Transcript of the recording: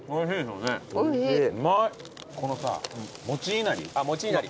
このさ餅いなり。